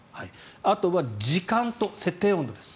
あとは時間と設定温度です。